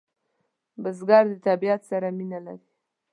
بزګر د طبیعت سره مینه لري